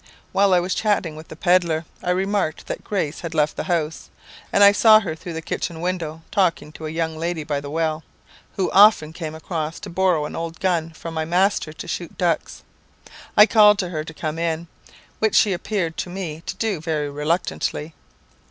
While I was chatting with the pedlar, I remarked that Grace had left the house, and I saw her through the kitchen window talking to a young lad by the well, who often came across to borrow an old gun from my master to shoot ducks. I called to her to come in, which she appeared to me to do very reluctantly.